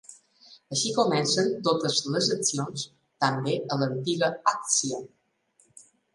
Així comencen totes les accions, també a l'antiga Àccia.